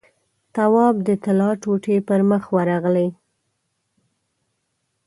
تواب د طلا ټوټې پر مخ ورغلې.